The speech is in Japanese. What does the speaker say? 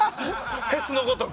フェスのごとく？